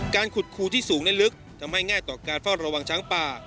การขุดคูที่สูงและลึกทำให้ง่ายต่อการเฝ้าระวังช้างป่า